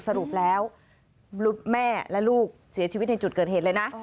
สรุปแล้วแม่และลูกเสียชีวิตในจุดเกิดเหตุเลยนะ